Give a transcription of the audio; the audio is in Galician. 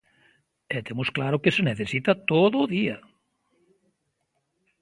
E temos claro que se necesita todo o día.